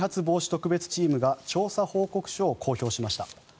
特別チームが調査報告書を公表しました。